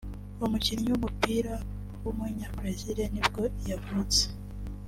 umukinnyi w’umupira w’umunyabrazil nibwo yavutse